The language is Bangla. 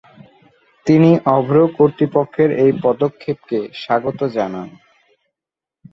তিনি অভ্র কর্তৃপক্ষের এই পদক্ষেপকে স্বাগত জানান।